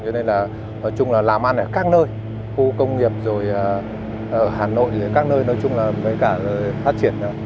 nên là làm ăn ở các nơi khu công nghiệp hà nội các nơi nói chung là phát triển